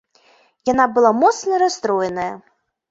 Яна была моцна расстроеная.